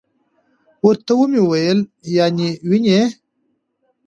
ورته ومي ویل: یا نې وینې .